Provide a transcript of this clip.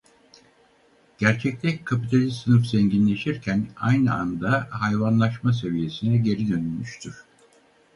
Gerçekte kapitalist sınıf zenginleşirken aynı anda hayvanlaşma seviyesine geri dönülmüştür.